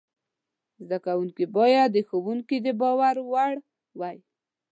زده کوونکي باید د ښوونکي د باور وړ وای.